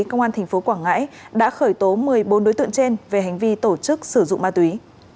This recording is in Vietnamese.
công an tp quảng ngãi đã khởi tố một mươi bốn đối tượng trên về hành vi tổ chức sử dụng ma túy